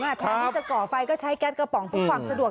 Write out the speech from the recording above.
แถมที่จะก่อไฟก็ใช้แก๊สกระป๋องทุกขวับสะดวก